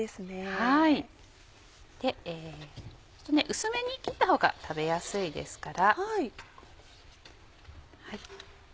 薄めに切ったほうが食べやすいですから。